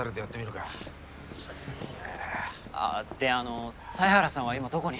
あっであの犀原さんは今どこに？